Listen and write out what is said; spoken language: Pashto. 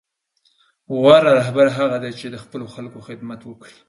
غوره رهبر هغه دی چې د خپلو خلکو خدمت وکړي.